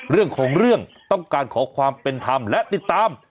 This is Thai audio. เรื่องของเรื่องต้องการขอความเป็นธรรมและติดตาม